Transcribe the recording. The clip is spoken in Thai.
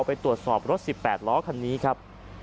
ไปตรวจสอบรถ๑๘ล้อคันนี้ครับ